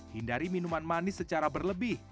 hindari minuman manis secara berlebih